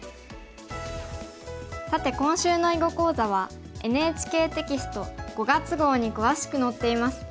さて今週の囲碁講座はＮＨＫテキスト５月号に詳しく載っています。